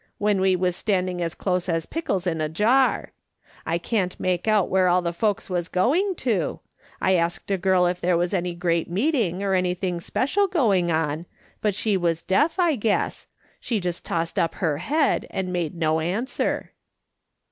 when we was standing as close as pickles in a jar. I can't make out where all the folks was going to. I asked a girl if there was any great meeting or any tiling special going on, but she was deaf, I guess; she just tossed up her head, and made no answer."